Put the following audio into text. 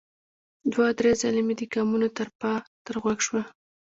دوه ـ درې ځلې مې د ګامونو ترپا تر غوږ شوه.